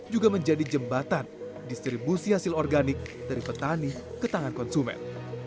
juga menjadi jembatan distribusi hasil organik dari petani ke tangan konsumen